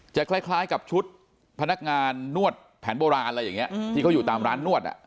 จะคล้ายกับชุดพนักงานนวดแผนโบราณที่เขาอยู่ตามร้านนวด